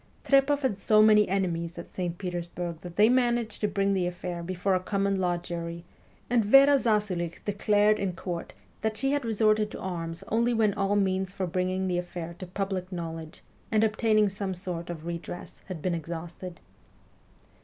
Trepoff had so many enemies at St. Petersburg that they managed to bring the affair before a common law jury, and Vera Zasulich declared in court that she had resorted to arms only when all means for bringing the affair to public knowledge and obtaining some sort of redress had been exhausted.